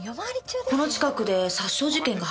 この近くで殺傷事件が発生したって。